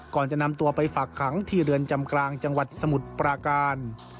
ก่อนจะนำตัวไปฝากขังที่เรือนจำกลางจังหวัดสมุทรปราการ